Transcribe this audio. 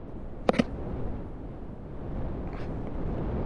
The single was never released outside Japan and Finland.